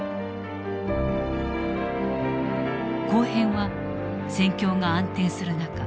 後編は戦況が暗転する中